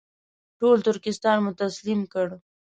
ټول ترکستان مو تسلیم کړ.